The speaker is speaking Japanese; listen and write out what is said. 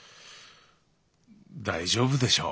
大丈夫でしょう。